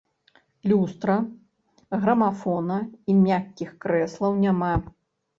Люстра, грамафона і мяккіх крэслаў няма.